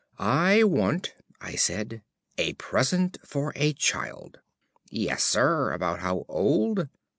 "I want," I said, "a present for a child." "Yes, sir. About how old?"